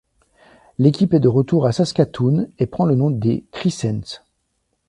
L'équipe est de retour à Saskatoon et prend le nom des Crescents.